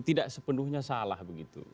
tidak sepenuhnya salah begitu